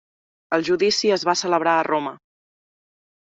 El judici es va celebrar a Roma.